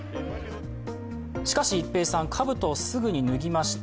しかし一平さん、かぶとをすぐに脱ぎました。